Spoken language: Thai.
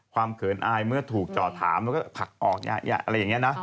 ความเขินอายเมื่อถูกจอดถามแล้วก็ผลักออกอย่างนี้